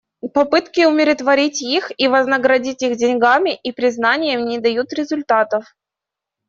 Попытки умиротворить их и вознаградить их деньгами и признанием не дают результатов.